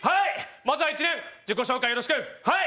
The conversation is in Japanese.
まずは１年、自己紹介よろしく。